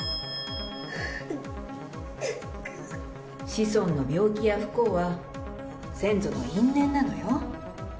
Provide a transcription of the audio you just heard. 子孫の病気や不幸は先祖の因縁なのよ。